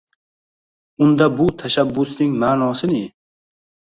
Unda bu tashabbusning ma’nosi ne?